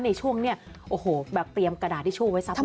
ในช่วงนี้โอ้โหแบบเตรียมกระดาษที่ช่วงไว้ซักครู่